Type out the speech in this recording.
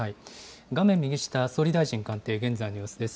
画面右下、総理大臣官邸、現在の様子です。